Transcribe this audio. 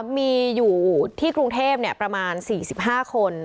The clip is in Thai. มีอยู่ที่กรุงเทพประมาณ๔๕คน